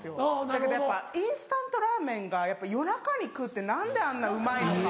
だけどインスタントラーメンが夜中に食うって何であんなうまいのか。